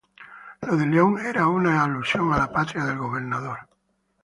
Lo de "León" era en alusión a la patria del gobernador.